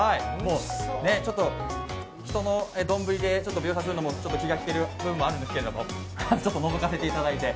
ちょっと人の丼で描写するのも気が引ける気がするんですけれども、のぞかせていただいて。